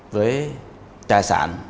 với trải sản